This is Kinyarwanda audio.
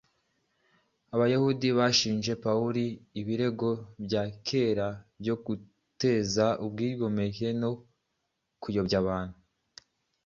Abayahudi bashinje Pawulo ibirego bya kera byo guteza ubwigomeke no kuyobya abantu,